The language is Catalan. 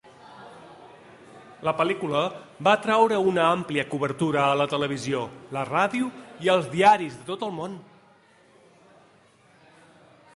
La pel·lícula va atraure una àmplia cobertura a la televisió, la ràdio i els diaris de tot el món.